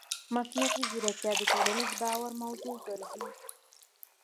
مصنوعي ځیرکتیا د ټولنیز باور موضوع ګرځي.